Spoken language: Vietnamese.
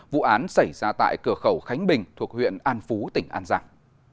vụ án xảy ra tại cửa khẩu khánh bình thuộc huyện an phú tỉnh an giang